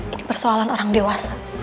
ini persoalan orang dewasa